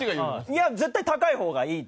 いや絶対高い方がいい。